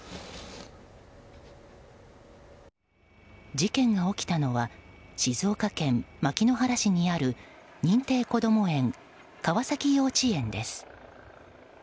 事件が起きたのは静岡県牧之原市にある認定こども園川崎幼稚園です。